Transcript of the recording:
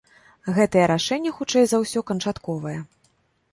Гэтае рашэнне хутчэй за ўсё канчатковае.